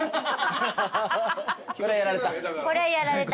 これはやられた。